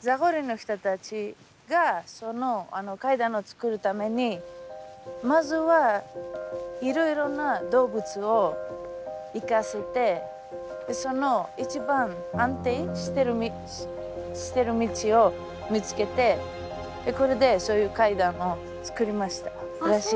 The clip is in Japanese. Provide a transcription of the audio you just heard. ザゴリの人たちがその階段を作るためにまずはいろいろな動物を行かせてその一番安定している道を見つけてこれでそういう階段を作りましたらしいです。